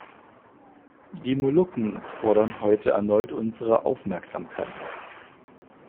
Die Molukken fordern heute erneut unsere Aufmerksamkeit.